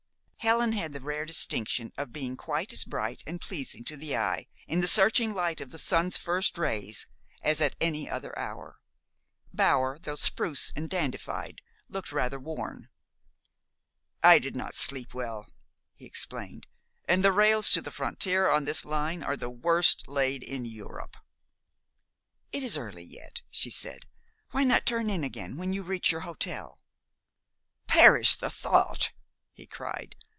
Helen had the rare distinction of being quite as bright and pleasing to the eye in the searching light of the sun's first rays as at any other hour. Bower, though spruce and dandified, looked rather worn. "I did not sleep well," he explained. "And the rails to the frontier on this line are the worst laid in Europe." "It is early yet," she said. "Why not turn in again when you reach your hotel?" "Perish the thought!" he cried.